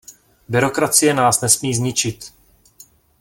Byrokracie nás nesmí zničit.